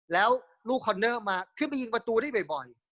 แล้วลูกคอนเนอร์มาขึ้นไปยิงประตูได้บ่อย